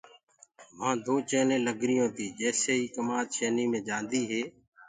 وهآ دو چيني لگريٚونٚ تي جيسي ئي ڪمآد چينيٚ مي جآنديٚ۔